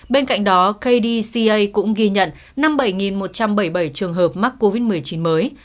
bên cạnh đó kdca cũng ghi nhận năm mươi bảy một trăm bảy mươi bảy trường hợp mắc covid một mươi chín mới